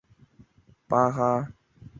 但并非世界的中心就代表地球的肚脐。